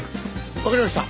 わかりました。